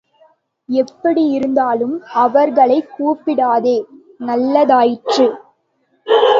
எப்படியிருந்தாலும் அவர்களைக் கூப்பிடாததே நல்லதாயிற்று.